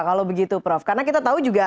kalau begitu prof karena kita tahu juga